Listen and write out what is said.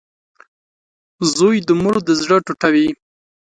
• زوی د مور د زړۀ ټوټه وي.